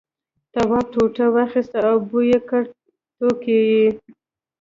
تواب ټوټه واخیسته بوی یې کړ توک یې.